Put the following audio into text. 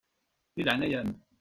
Di leɛnaya-m.